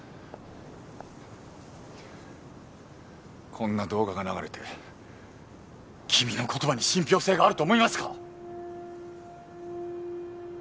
こんな動画が流れて君の言葉に信憑性があると思いますか？